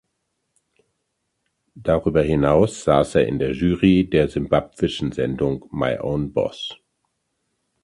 Darüber hinaus saß er in der Jury der simbabwischen Sendung "My Own Boss".